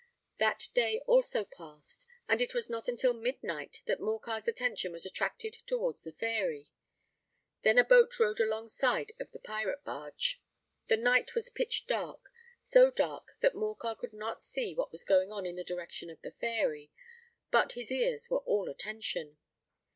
That day also passed; and it was not until midnight that Morcar's attention was attracted towards the Fairy. Then a boat rowed alongside of the pirate barge. The night was pitch dark—so dark that Morcar could not see what was going on in the direction of the Fairy: but his ears were all attention.